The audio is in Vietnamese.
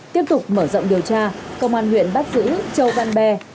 tiếp tục mở rộng điều tra công an huyện bắt giữ châu văn be